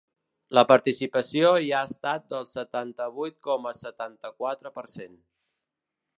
La participació hi ha estat del setanta-vuit coma setanta-quatre per cent.